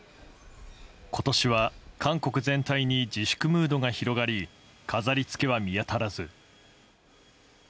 今年は韓国全体に自粛ムードが広がり飾りつけは見当たらず。